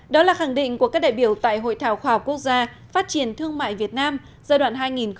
đó là khẳng định của các đại biểu tại hội thảo khoa học quốc gia phát triển thương mại việt nam giai đoạn hai nghìn một mươi sáu hai nghìn hai mươi